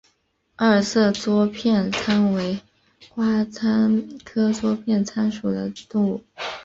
二色桌片参为瓜参科桌片参属的动物。